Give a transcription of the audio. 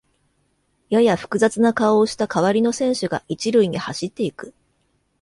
やや複雑な顔をした代わりの選手が一塁に走っていく